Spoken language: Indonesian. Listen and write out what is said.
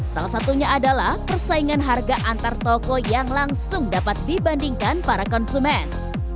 salah satunya adalah persaingan harga antar toko yang langsung dapat dibandingkan para konsumen